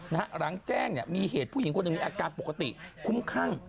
นะฮะหลังแจ้งเนี่ยมีเหตุผู้หญิงคนนี้มีอาการปกติคุ้มข้าง